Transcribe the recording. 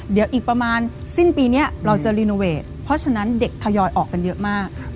เดี๋ยวอีกประมาณสิ้นปีนี้เราจะรีโนเวทเพราะฉะนั้นเด็กทยอยออกกันเยอะมาก